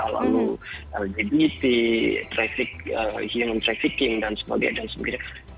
lalu lgbt traffic human trafficking dan sebagainya